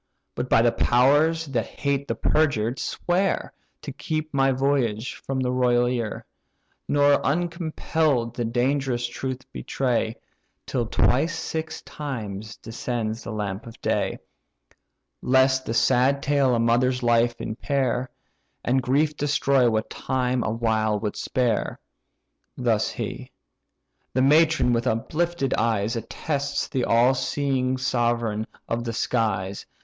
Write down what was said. But, by the powers that hate the perjured, swear, To keep my voyage from the royal ear, Nor uncompell'd the dangerous truth betray, Till twice six times descends the lamp of day, Lest the sad tale a mother's life impair, And grief destroy what time awhile would spare." Thus he. The matron with uplifted eyes Attests the all seeing sovereign of the skies.